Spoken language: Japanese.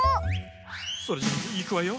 それじゃいくわよ。